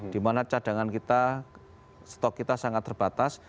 di mana cadangan kita stok kita sangat terbatas